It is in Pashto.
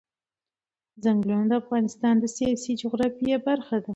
چنګلونه د افغانستان د سیاسي جغرافیه برخه ده.